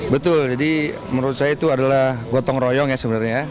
betul jadi menurut saya itu adalah gotong royong ya sebenarnya ya